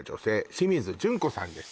清水純子さんです